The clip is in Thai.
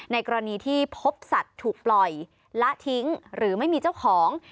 กรณีที่พบสัตว์ถูกปล่อยละทิ้งหรือไม่มีเจ้าของ